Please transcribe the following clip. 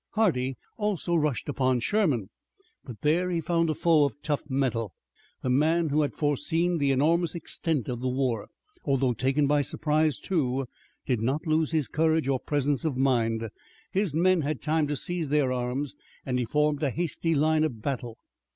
Hardee also rushed upon Sherman, but there he found a foe of tough mettle. The man who had foreseen the enormous extent of the war, although taken by surprise, too, did not lose his courage or presence of mind. His men had time to seize their arms, and he formed a hasty line of battle.